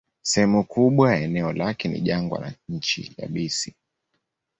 Sehemu kubwa ya eneo lake ni jangwa na nchi yabisi.